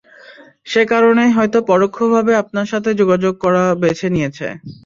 সে কারণেই হয়তো পরোক্ষভাবে আপনার সাথে যোগাযোগ করা বেছে নিয়েছে।